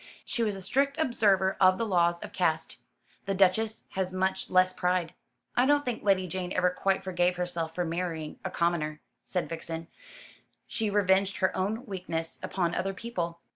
She was a strict observer of the laws of caste. The Duchess has much less pride." "I don't think Lady Jane ever quite forgave herself for marrying a commoner," said Vixen. "She revenged her own weakness upon other people."